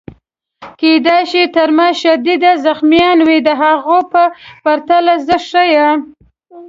کیدای شي تر ما شدید زخمیان وي، د هغو په پرتله زه ښه یم.